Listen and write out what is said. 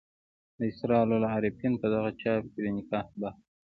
د اسرار العارفین په دغه چاپ کې د نکاح بحث دی.